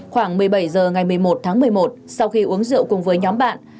khoảng một mươi bảy h ngày một mươi một tháng một mươi một sau khi uống rượu cùng với nhóm bạn